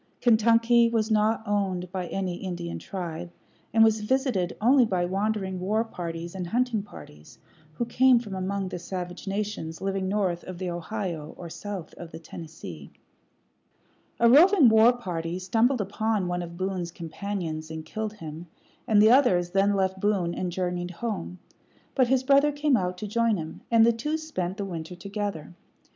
Kentucky was not owned by any Indian tribe, and was visited only by wandering war parties and hunting parties who came from among the savage nations living north of the Ohio or south of the Tennessee. A roving war party stumbled upon one of Boone's companions and killed him, and the others then left Boone and journeyed home; but his brother came out to join him, and the two spent the winter together.